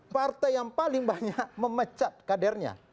partai yang paling banyak memecat kadernya